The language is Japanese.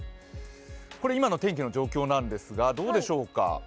これ、今の天気の状況なんですが、どうでしょうか。